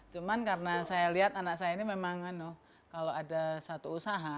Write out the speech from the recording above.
cuma karena saya lihat anak saya ini memang kalau ada satu usaha